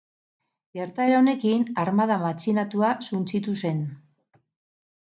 Gertaera honekin, armada matxinatua suntsitu zen.